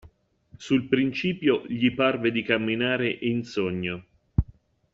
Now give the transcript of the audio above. Sul principio gli parve di camminare in sogno.